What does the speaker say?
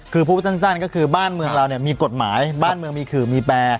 คือพูดสั้นก็คือบ้านเมืองเราเนี่ยมีกฎหมายบ้านเมืองมีขื่อมีแปร